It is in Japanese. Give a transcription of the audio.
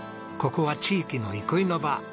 ここは地域の憩いの場。